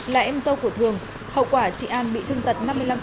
là em dâu của thường hậu quả chị an bị thương tật năm mươi năm